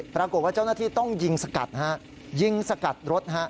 ปรากฏว่าเจ้าหน้าที่ต้องยิงสกัดฮะยิงสกัดรถฮะ